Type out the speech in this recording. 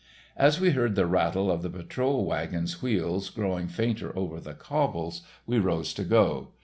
As we heard the rattle of the patrol wagon's wheels growing fainter over the cobbles, we rose to go.